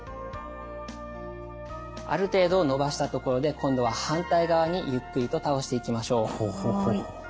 ある程度伸ばしたところで今度は反対側にゆっくりと倒していきましょう。